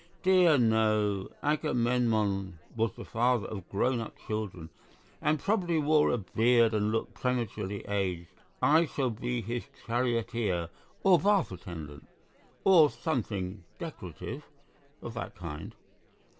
"Dear no. Agamemnon was the father of grown up children, and probably wore a beard and looked prematurely aged. I shall be his charioteer or bath attendant, or something decorative of that kind.